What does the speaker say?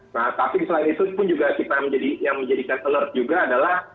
nah tapi selain itu pun juga kita yang menjadi cattler juga adalah